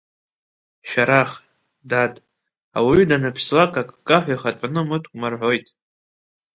Шәарах, дад, ауаҩы данԥслак аккаҳәа ихатәаны амыткума рҳәоит.